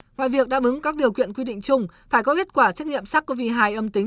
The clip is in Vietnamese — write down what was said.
ngoài việc đáp ứng các điều kiện quy định chung phải có kết quả xét nghiệm sars cov hai âm tính